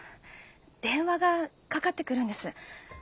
電話がかかってくるんです。